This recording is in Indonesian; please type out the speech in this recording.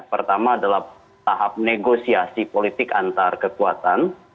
pertama adalah tahap negosiasi politik antar kekuatan